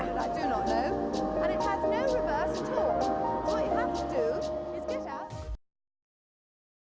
jika anda ingin memiliki keunggulan yang lebih mudah